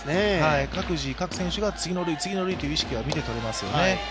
各自、各選手が次の塁、次の塁という意識は見て取れますよね。